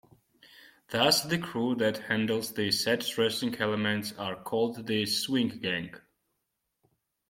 Thus the crew that handles the set dressing elements are called the swing gang.